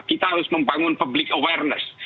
kita harus membangun public awareness